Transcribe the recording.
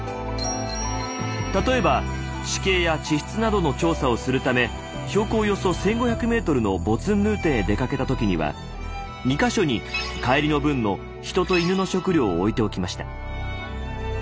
例えば地形や地質などの調査をするため標高およそ１，５００ｍのボツンヌーテンへ出かけた時には２か所に帰りの分の人と犬の食料を置いておきました。